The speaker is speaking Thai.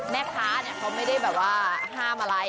แม่ค้าเขาไม่ได้แบบว่าห้ามอะไร